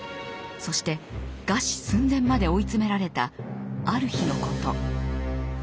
そして餓死寸前まで追い詰められたある日のこと。